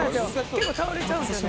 結構倒れちゃうんですよね」